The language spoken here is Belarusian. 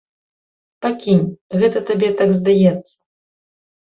Пакінь, гэта табе так здаецца.